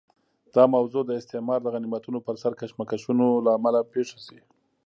دا موضوع د استعمار د غنیمتونو پر سر کشمکشونو له امله پېښه شي.